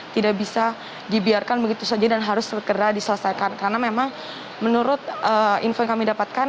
tidak bisa dibiarkan begitu saja dan harus segera diselesaikan karena memang menurut info yang kami dapatkan